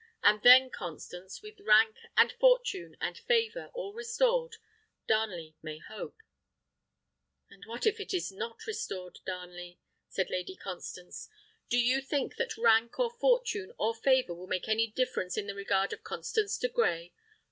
And then, Constance, with rank, and fortune, and favour, all restored, Darnley may hope." "And what if not restored, Darnley?" said Lady Constance. "Do you think that rank, or fortune, or favour, will make any difference in the regard of Constance de Grey?